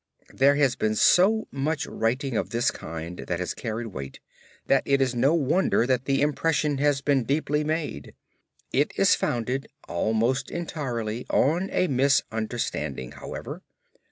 There has been so much writing of this kind that has carried weight, that it is no wonder that the impression has been deeply made. It is founded almost entirely on a misunderstanding, however.